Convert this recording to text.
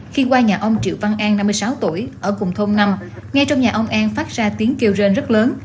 khi qua nhà ông triệu văn an năm mươi sáu tuổi ở cùng thôn năm ngay trong nhà ông an phát ra tiếng kêu rên rất lớn